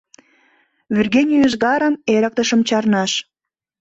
— Вӱргене ӱзгарым эрыктышым чарнаш!